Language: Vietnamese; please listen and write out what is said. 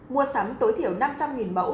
mua sắm tối thiểu năm trăm linh mẫu